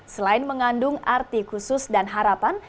selain mengandung arti khusus dan harapan